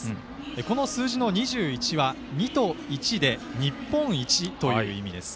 この数字の２１は２と１で日本一という意味です。